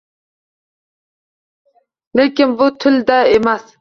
Lekin bu til da emas.